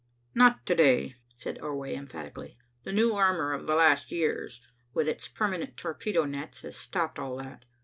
"Not to day," said Ordway emphatically. "The new armor of the last years, with its permanent torpedo nets, has stopped all that.